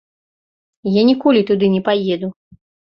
Я ніколі туды не паеду.